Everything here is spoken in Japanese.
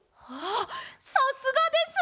さすがです！